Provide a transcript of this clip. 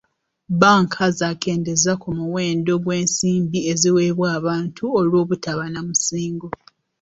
Banka zaakendeeza ku muwendo gw'ensimbi eziweebwa abantu olw'obutaba na musingo.